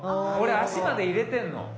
俺足まで入れてんの。